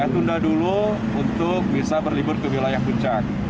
tunda dulu untuk bisa berlibur ke wilayah puncak